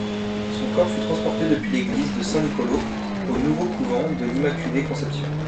Son corps fut transporté depuis l'église de San Niccolo au nouveau couvent de l'Immaculée-Conception.